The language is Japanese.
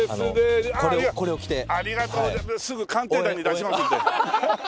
じゃあすぐ『鑑定団』に出しますんで。